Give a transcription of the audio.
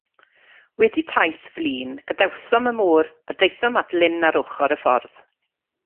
Wedi taith flin gadawsom y môr, a daethom at lyn ar ochr y ffordd.